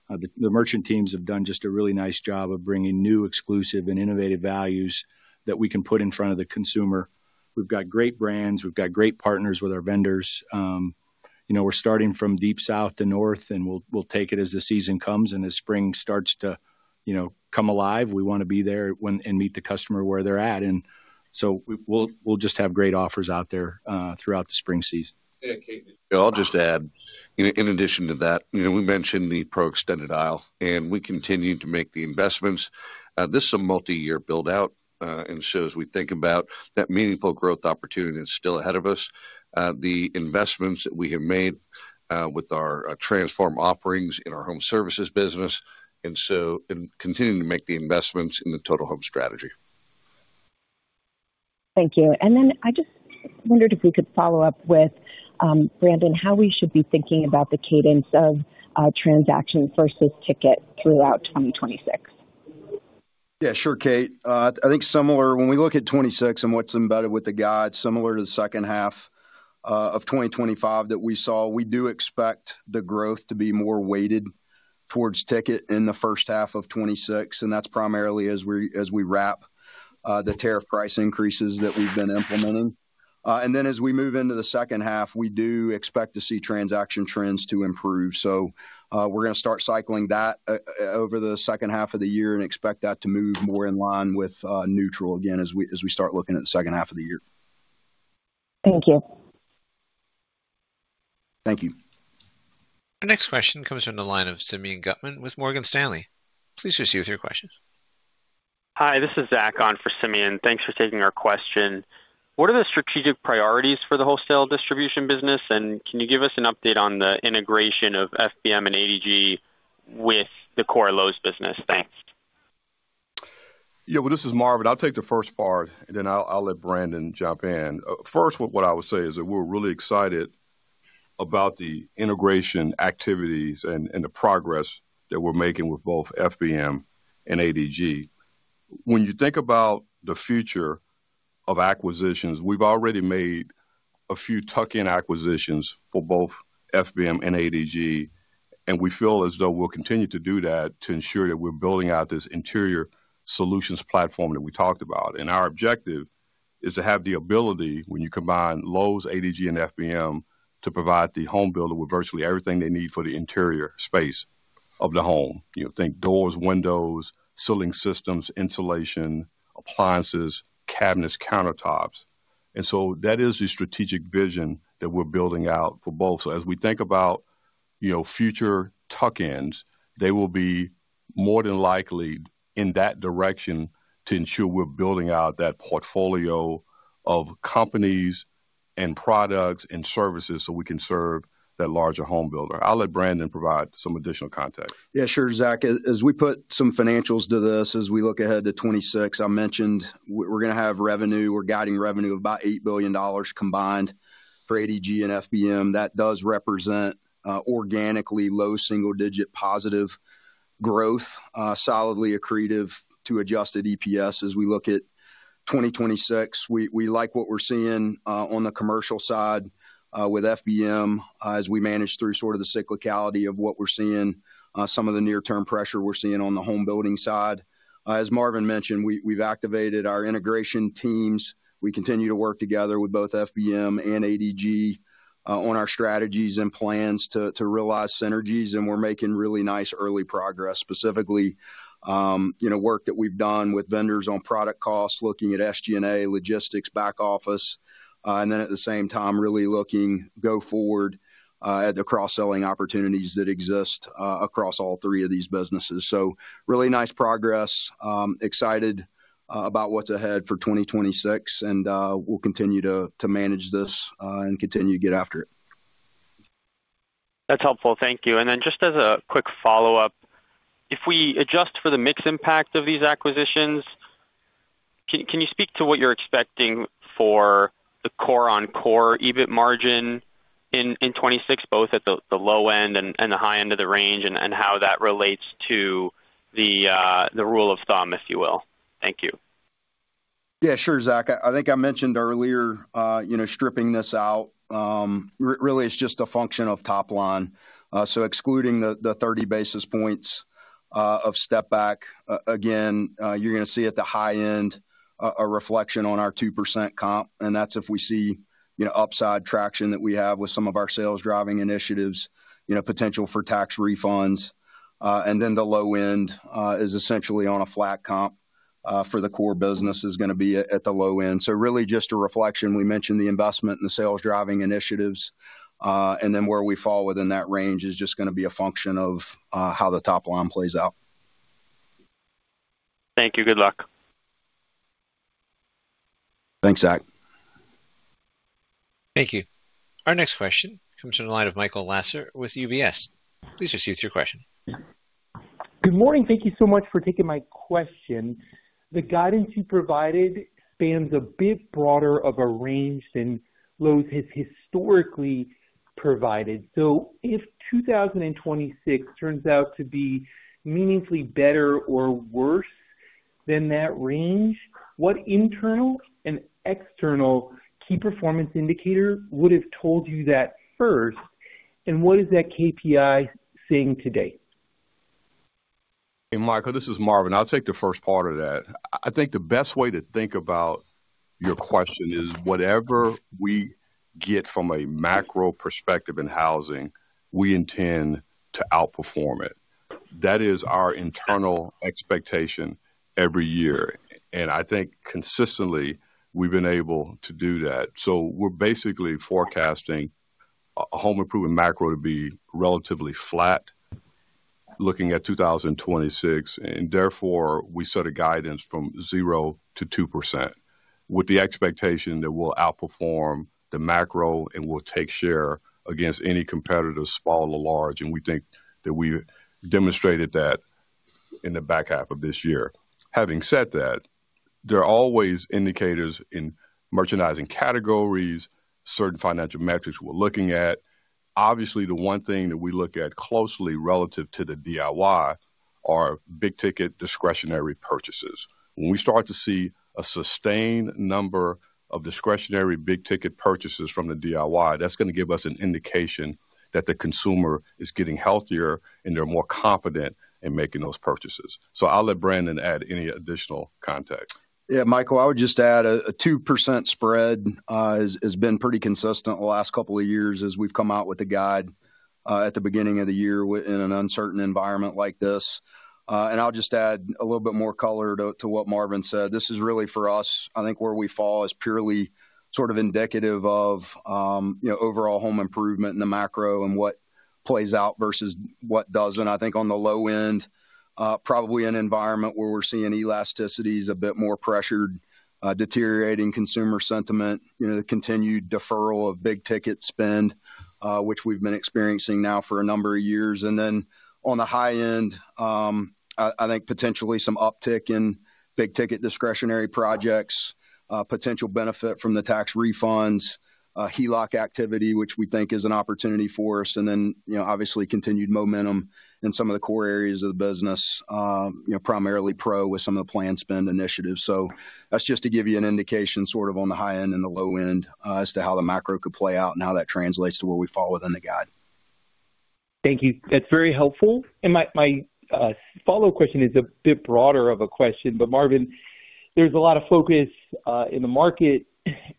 The merchant teams have done just a really nice job of bringing new, exclusive and innovative values that we can put in front of the consumer. We've got great brands, we've got great partners with our vendors. You know, we're starting from deep south to north, and we'll take it as the season comes and as spring starts to, you know, come alive. We want to be there and meet the customer where they're at. We'll just have great offers out there, throughout the spring season. Yeah, Kate, I'll just add, in addition to that, you know, we mentioned the Pro Extended Aisle, and we continue to make the investments. This is a multi-year build-out, and so as we think about that, meaningful growth opportunity is still ahead of us. The investments that we have made, with our transform offerings in our home services business, and so, and continuing to make the investments in the Total Home strategy. Thank you. Then I just wondered if we could follow up with Brandon, how we should be thinking about the cadence of transaction versus ticket throughout 2026? Yeah, sure, Kate. I think when we look at 2026 and what's embedded with the guide, similar to the second half of 2025 that we saw, we do expect the growth to be more weighted towards ticket in the first half of 2026, and that's primarily as we, as we wrap the tariff price increases that we've been implementing. As we move into the second half, we do expect to see transaction trends to improve. We're gonna start cycling that over the second half of the year and expect that to move more in line with neutral again as we, as we start looking at the second half of the year. Thank you. Thank you. Our next question comes from the line of Simeon Gutman with Morgan Stanley. Please proceed with your question. Hi, this is Zach on for Simeon. Thanks for taking our question. What are the strategic priorities for the wholesale distribution business? Can you give us an update on the integration of FBM and ADG with the core Lowe's business? Thanks. Yeah, well, this is Marvin. I'll take the first part, and then I'll let Brandon jump in. First, what I would say is that we're really excited about the integration activities and the progress that we're making with both FBM and ADG. When you think about the future of acquisitions, we've already made a few tuck-in acquisitions for both FBM and ADG, and we feel as though we'll continue to do that to ensure that we're building out this interior solutions platform that we talked about. Our objective is to have the ability, when you combine Lowe's, ADG, and FBM, to provide the home builder with virtually everything they need for the interior space of the home. You know, think doors, windows, ceiling systems, insulation, appliances, cabinets, countertops. That is the strategic vision that we're building out for both. As we think about, you know, future tuck-ins, they will be more than likely in that direction to ensure we're building out that portfolio of companies and products and services so we can serve that larger home builder. I'll let Brandon provide some additional context. Yeah, sure, Zach. As we put some financials to this, as we look ahead to 2026, I mentioned we're gonna have revenue, we're guiding revenue of about $8 billion combined for ADG and FBM. That does represent organically low single-digit positive growth, solidly accretive to adjusted EPS as we look at 2026. We like what we're seeing on the commercial side with FBM, as we manage through sort of the cyclicality of what we're seeing, some of the near-term pressure we're seeing on the home building side. As Marvin mentioned, we've activated our integration teams. We continue to work together with both FBM and ADG on our strategies and plans to realize synergies. We're making really nice early progress, specifically, you know, work that we've done with vendors on product costs, looking at SG&A, logistics, back office, and then at the same time, really looking go forward at the cross-selling opportunities that exist across all three of these businesses. Really nice progress. Excited about what's ahead for 2026. We'll continue to manage this and continue to get after it. That's helpful. Thank you. Then just as a quick follow-up, if we adjust for the mix impact of these acquisitions, can you speak to what you're expecting for the core on core EBIT margin in 2026, both at the low end and the high end of the range, and how that relates to the rule of thumb, if you will? Thank you. Yeah, sure, Zach. I think I mentioned earlier, you know, stripping this out, really it's just a function of top line. Excluding the 30 basis points of step back, again, you're gonna see at the high end a reflection on our 2% comp, and that's if we see, you know, upside traction that we have with some of our sales-driving initiatives, you know, potential for tax refunds. Then the low end is essentially on a flat comp for the core business is gonna be at the low end. Really just a reflection. We mentioned the investment and the sales-driving initiatives, and then where we fall within that range is just gonna be a function of how the top line plays out. Thank you. Good luck. Thanks, Zach. Thank you. Our next question comes from the line of Michael Lasser with UBS. Please proceed with your question. Good morning. Thank you so much for taking my question. The guidance you provided spans a bit broader of a range than Lowe's has historically provided. If 2026 turns out to be meaningfully better or worse than that range, what internal and external key performance indicators would have told you that first, and what is that KPI saying today? Hey, Michael, this is Marvin. I'll take the first part of that. I think the best way to think about your question is, whatever we get from a macro perspective in housing, we intend to outperform it. That is our internal expectation every year, and I think consistently, we've been able to do that. We're basically forecasting home improvement macro to be relatively flat, looking at 2026, and therefore, we set a guidance from 0%-2%, with the expectation that we'll outperform the macro and we'll take share against any competitor, small or large, and we think that we demonstrated that in the back half of this year. Having said that, there are always indicators in merchandising categories, certain financial metrics we're looking at. Obviously, the one thing that we look at closely relative to the DIY are big-ticket, discretionary purchases. When we start to see a sustained number of discretionary big-ticket purchases from the DIY, that's gonna give us an indication that the consumer is getting healthier, and they're more confident in making those purchases. I'll let Brandon add any additional context. Yeah, Michael, I would just add a 2% spread has been pretty consistent the last couple of years as we've come out with the guide. In an uncertain environment like this, I'll just add a little bit more color to what Marvin said. This is really for us, I think where we fall is purely sort of indicative of, you know, overall home improvement in the macro and what plays out versus what doesn't. I think on the low end, probably an environment where we're seeing elasticity is a bit more pressured, deteriorating consumer sentiment, you know, the continued deferral of big-ticket spend, which we've been experiencing now for a number of years. On the high end, I think potentially some uptick in big-ticket discretionary projects, potential benefit from the tax refunds, HELOC activity, which we think is an opportunity for us, and then, you know, obviously continued momentum in some of the core areas of the business, you know, primarily pro with some of the planned spend initiatives. That's just to give you an indication, sort of on the high end and the low end, as to how the macro could play out and how that translates to where we fall within the guide. Thank you. That's very helpful. My, my, follow-up question is a bit broader of a question, but Marvin, there's a lot of focus in the market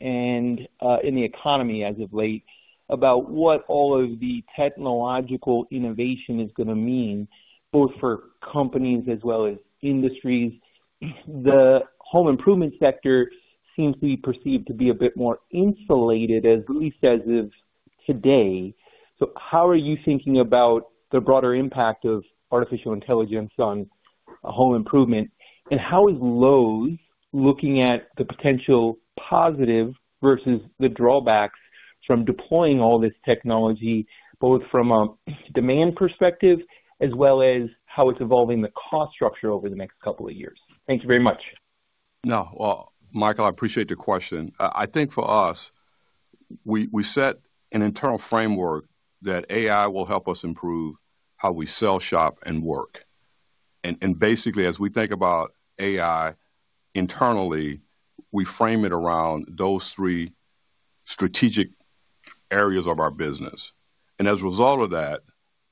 and in the economy as of late, about what all of the technological innovation is gonna mean, both for companies as well as industries. The home improvement sector seems to be perceived to be a bit more insulated, at least as of today. How are you thinking about the broader impact of artificial intelligence on home improvement? How is Lowe's looking at the potential positive versus the drawbacks from deploying all this technology, both from a demand perspective as well as how it's evolving the cost structure over the next couple of years? Thank you very much. No, well, Michael, I appreciate the question. I think for us, we set an internal framework that AI will help us improve how we sell, shop, and work. Basically, as we think about AI internally, we frame it around those three strategic areas of our business. As a result of that,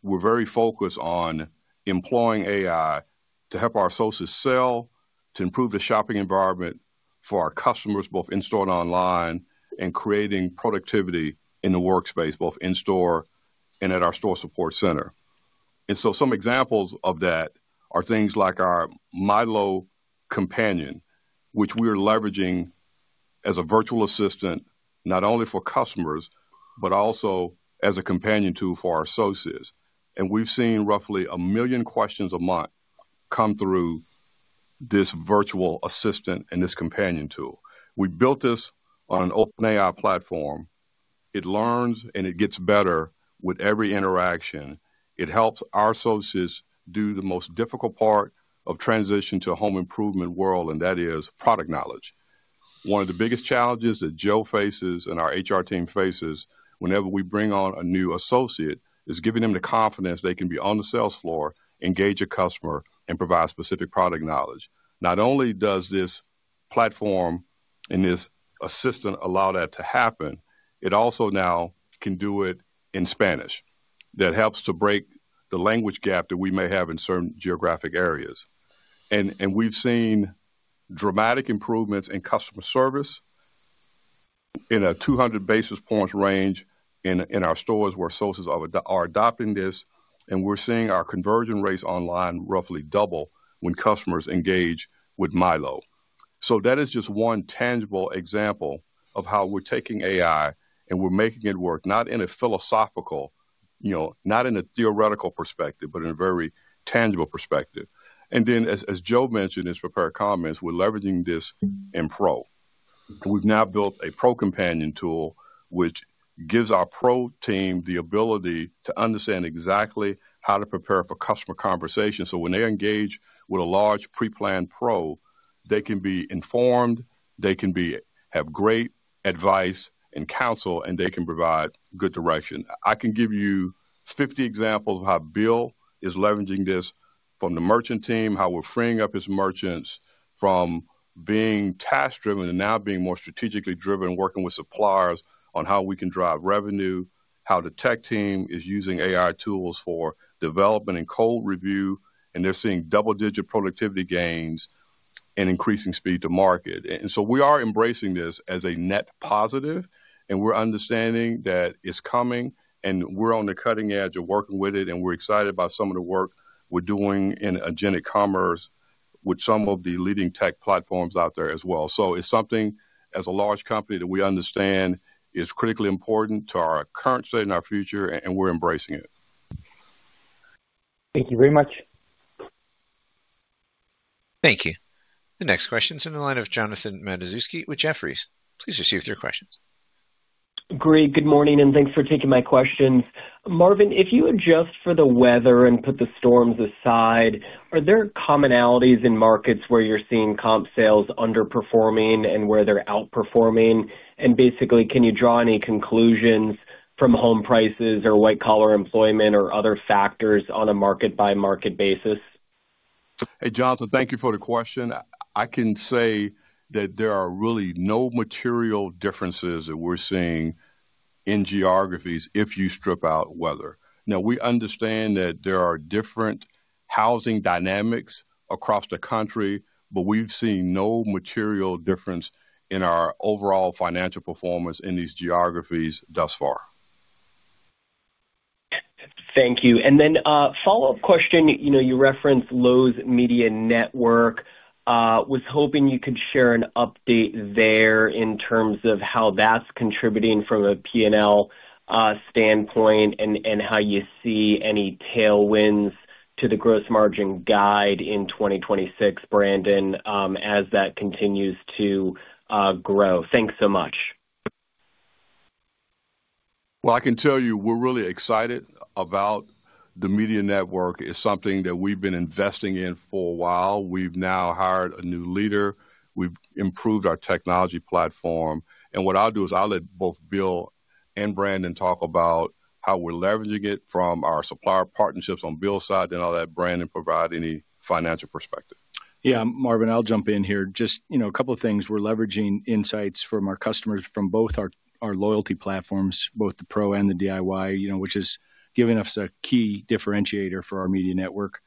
we're very focused on employing AI to help our associates sell, to improve the shopping environment for our customers, both in-store and online, and creating productivity in the workspace, both in-store and at our store support center. Some examples of that are things like our MyLowe Companion, which we are leveraging as a virtual assistant, not only for customers, but also as a companion tool for our associates. We've seen roughly 1 million questions a month come through this virtual assistant and this companion tool. We built this on an OpenAI platform. It learns, and it gets better with every interaction. It helps our associates do the most difficult part of transition to a home improvement world, and that is product knowledge. One of the biggest challenges that Joe faces and our HR team faces whenever we bring on a new associate, is giving them the confidence they can be on the sales floor, engage a customer, and provide specific product knowledge. Not only does this platform and this assistant allow that to happen, it also now can do it in Spanish. That helps to break the language gap that we may have in certain geographic areas. We've seen dramatic improvements in customer service in a 200 basis points range in our stores where associates are adopting this, and we're seeing our conversion rates online roughly double when customers engage with MyLowe. That is just one tangible example of how we're taking AI and we're making it work, not in a philosophical, you know, not in a theoretical perspective, but in a very tangible perspective. As Joe mentioned in his prepared comments, we're leveraging this in Pro. We've now built a Pro Companion tool, which gives our Pro team the ability to understand exactly how to prepare for customer conversations. When they engage with a large pre-planned Pro, they can be informed, they can have great advice and counsel, and they can provide good direction. I can give you 50 examples of how Bill is leveraging this from the merchant team, how we're freeing up his merchants from being task-driven and now being more strategically driven, working with suppliers on how we can drive revenue, how the tech team is using AI tools for development and code review, and they're seeing double-digit productivity gains and increasing speed to market. We are embracing this as a net positive, and we're understanding that it's coming and we're on the cutting edge of working with it, and we're excited about some of the work we're doing in agentic commerce with some of the leading tech platforms out there as well. It's something, as a large company, that we understand is critically important to our current state and our future, and we're embracing it. Thank you very much. Thank you. The next question is in the line of Jonathan Matuszewski with Jefferies. Please proceed with your questions. Great, good morning, and thanks for taking my questions. Marvin, if you adjust for the weather and put the storms aside, are there commonalities in markets where you're seeing comp sales underperforming and where they're outperforming? Basically, can you draw any conclusions from home prices or white-collar employment or other factors on a market-by-market basis? Hey, Jonathan, thank you for the question. I can say that there are really no material differences that we're seeing in geographies if you strip out weather. Now, we understand that there are housing dynamics across the country, we've seen no material difference in our overall financial performance in these geographies thus far. Thank you. Then, follow-up question, you know, you referenced Lowe's Media Network. Was hoping you could share an update there in terms of how that's contributing from a P&L standpoint, and how you see any tailwinds to the gross margin guide in 2026, Brandon, as that continues to grow? Thanks so much. I can tell you we're really excited about the media network. It's something that we've been investing in for a while. We've now hired a new leader. We've improved our technology platform, and what I'll do is I'll let both Bill and Brandon talk about how we're leveraging it from our supplier partnerships on Bill's side, then I'll let Brandon provide any financial perspective. Yeah, Marvin, I'll jump in here. Just, you know, a couple of things. We're leveraging insights from our customers from both our loyalty platforms, both the Pro and the DIY, you know, which has given us a key differentiator for our Media Network.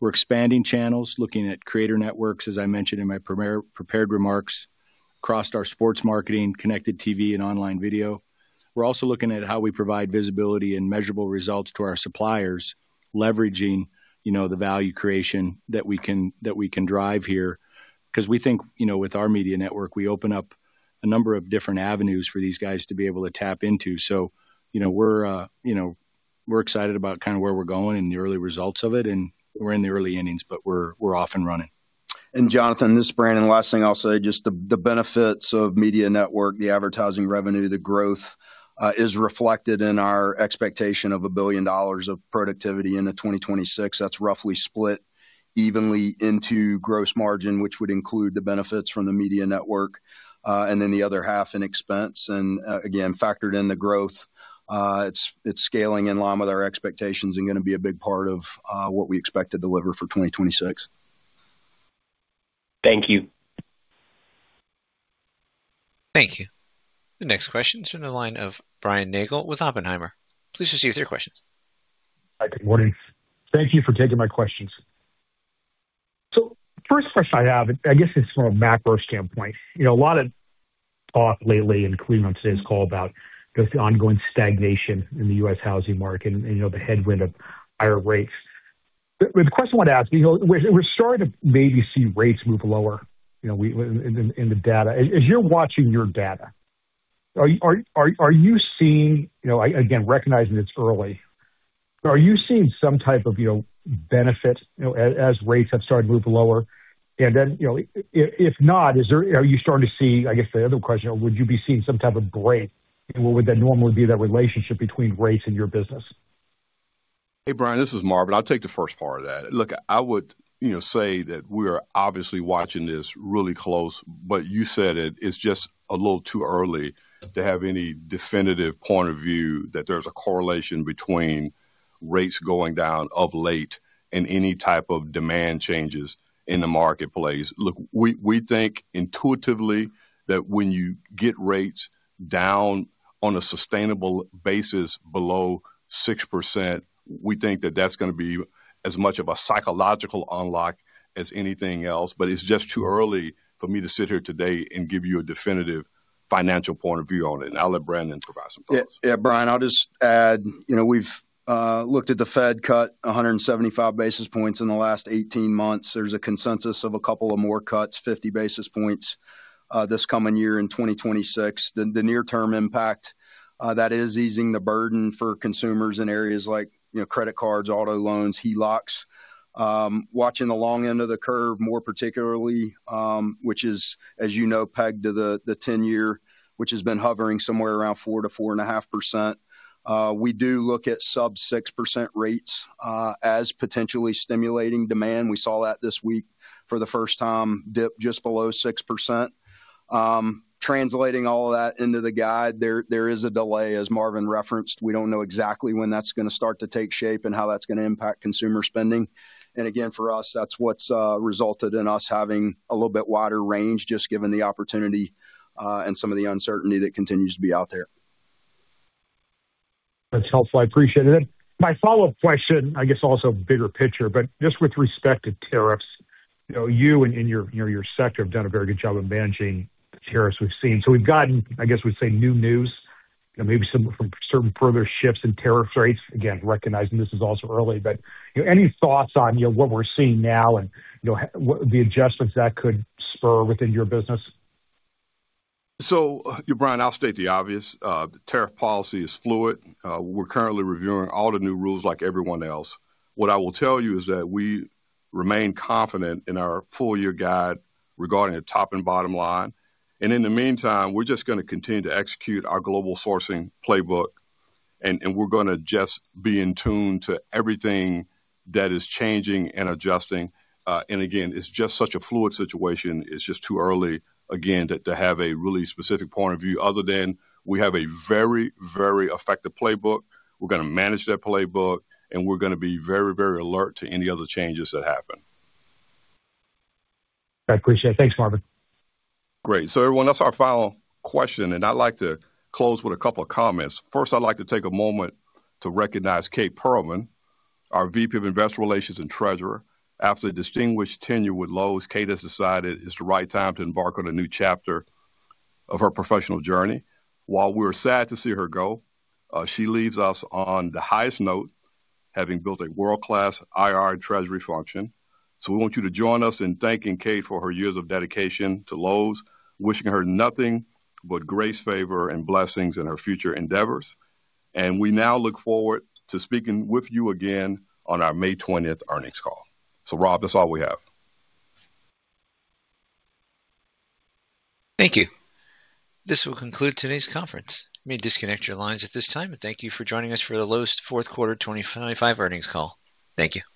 We're expanding channels, looking at creator networks, as I mentioned in my prepared remarks, across our sports marketing, connected TV, and online video. We're also looking at how we provide visibility and measurable results to our suppliers, leveraging, you know, the value creation that we can drive here. 'Cause we think, you know, with our Media Network, we open up a number of different avenues for these guys to be able to tap into. You know, we're, you know, we're excited about kind of where we're going and the early results of it, and we're in the early innings, but we're off and running. Jonathan, this is Brandon. Last thing I'll say, just the benefits of Lowe's Media Network, the advertising revenue, the growth, is reflected in our expectation of $1 billion of productivity into 2026. That's roughly split evenly into gross margin, which would include the benefits from the Lowe's Media Network, and then the other half in expense. Again, factored in the growth, it's scaling in line with our expectations and gonna be a big part of what we expect to deliver for 2026. Thank you. Thank you. The next question is from the line of Brian Nagel with Oppenheimer. Please just use your questions. Hi, good morning. Thank you for taking my questions. First question I have, I guess it's from a macro standpoint. You know, a lot of thought lately, including on today's call, about the ongoing stagnation in the U.S. housing market and, you know, the headwind of higher rates. The question I want to ask, you know, we're starting to maybe see rates move lower, you know, in the data. As you're watching your data, are you seeing? You know, again, recognizing it's early, are you seeing some type of, you know, benefit, you know, as rates have started to move lower? You know, if not, are you starting to see I guess the other question, would you be seeing some type of break, and what would that normally be, that relationship between rates and your business? Hey, Brian, this is Marvin. I'll take the first part of that. Look, I would, you know, say that we are obviously watching this really close, but you said it's just a little too early to have any definitive point of view that there's a correlation between rates going down of late and any type of demand changes in the marketplace. Look, we think intuitively that when you get rates down on a sustainable basis below 6%, we think that that's gonna be as much of a psychological unlock as anything else. It's just too early for me to sit here today and give you a definitive financial point of view on it. I'll let Brandon provide some thoughts. Yeah, Brian, I'll just add, you know, we've looked at the Fed cut 175 basis points in the last 18 months. There's a consensus of a couple of more cuts, 50 basis points, this coming year in 2026. The near term impact that is easing the burden for consumers in areas like, you know, credit cards, auto loans, HELOCs. Watching the long end of the curve, more particularly, which is, as you know, pegged to the 10-year, which has been hovering somewhere around 4% to 4.5%. We do look at sub 6% rates as potentially stimulating demand. We saw that this week, for the first time, dip just below 6%. Translating all of that into the guide, there is a delay, as Marvin referenced. We don't know exactly when that's gonna start to take shape and how that's gonna impact consumer spending. Again, for us, that's what's resulted in us having a little bit wider range, just given the opportunity and some of the uncertainty that continues to be out there. That's helpful. I appreciate it. My follow-up question, I guess, also bigger picture, but just with respect to tariffs, you know, you and your sector have done a very good job of managing the tariffs we've seen. We've gotten, I guess we'd say, new news and maybe some from certain further shifts in tariff rates. Again, recognizing this is also early, but, you know, any thoughts on, you know, what we're seeing now and, you know, what the adjustments that could spur within your business? Brian, I'll state the obvious, the tariff policy is fluid. We're currently reviewing all the new rules like everyone else. What I will tell you is that we remain confident in our full year guide regarding the top and bottom line. In the meantime, we're just gonna continue to execute our global sourcing playbook, and we're gonna just be in tune to everything that is changing and adjusting. Again, it's just such a fluid situation. It's just too early, again, to have a really specific point of view other than we have a very, very effective playbook. We're gonna manage that playbook, and we're gonna be very, very alert to any other changes that happen. I appreciate it. Thanks, Marvin. Great. Everyone, that's our final question, and I'd like to close with a couple of comments. First, I'd like to take a moment to recognize Kate Pearlman, our VP of Investor Relations and Treasurer. After a distinguished tenure with Lowe's, Kate has decided it's the right time to embark on a new chapter of her professional journey. While we're sad to see her go, she leaves us on the highest note, having built a world-class IR treasury function. We want you to join us in thanking Kate for her years of dedication to Lowe's, wishing her nothing but grace, favor, and blessings in her future endeavors. We now look forward to speaking with you again on our May 20th earnings call. Rob, that's all we have. Thank you. This will conclude today's conference. You may disconnect your lines at this time, and thank you for joining us for the Lowe's fourth quarter 2025 earnings call. Thank you.